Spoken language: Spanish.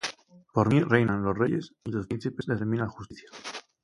Por mí reinan los reyes, Y los príncipes determinan justicia.